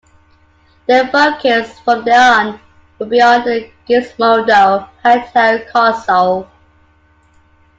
Their focus from then on would be on the Gizmondo handheld console.